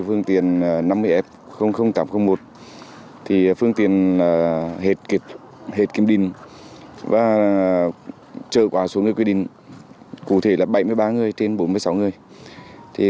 phương tiện đã hết kiểm định và chở quá số người quy định cụ thể là bảy mươi ba người trên bốn mươi sáu người